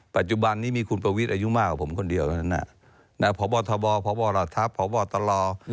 ปัจจุบันนี้มีคุณประวิทย์อายุมากกว่าผมคนเดียวพอบอทบอพอบอระทับพอบอตลอ